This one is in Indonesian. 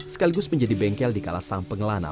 sekaligus menjadi bengkel di kalasan pengelana